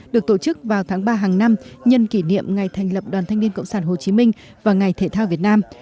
được tổ chức vào tháng ba hàng năm nhân kỷ niệm ngày thành lập đoàn thanh niên cộng sản hồ chí minh và ngày thể thao việt nam